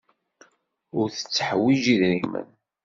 Ur tetteḥwiji idrimen.